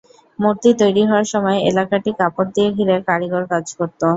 মূর্তি তৈরি হওয়ার সময় এলাকাটি কাপড় দিয়ে ঘিরে কারিগর কাজ করত।